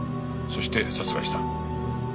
そして殺害した。